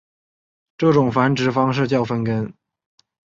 这种繁殖方式叫分根。